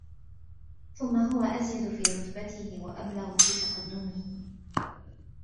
ثُمَّ هُوَ أَزْيَدُ فِي رُتْبَتِهِ وَأَبْلَغُ فِي تَقَدُّمِهِ